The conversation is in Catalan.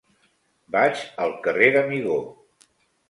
Vaig al carrer d'Amigó.